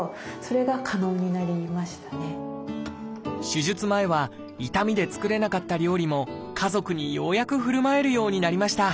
手術前は痛みで作れなかった料理も家族にようやくふるまえるようになりました。